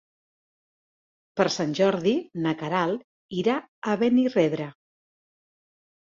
Per Sant Jordi na Queralt irà a Benirredrà.